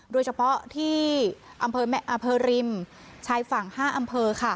โดยเฉพาะที่อำเภอริมชายฝั่ง๕อำเภอ